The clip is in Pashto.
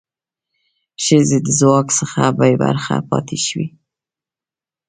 ښځې د ځواک څخه بې برخې پاتې شوې.